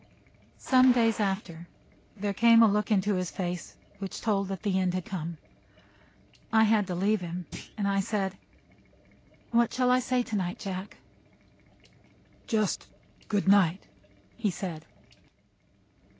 Some days after, there came a look into his face which told that the end had come. I had to leave him, and I said, "What shall I say tonight, Jack?" "Just good night," he said.